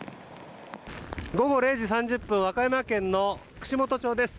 午後０時３０分和歌山県の串本町です。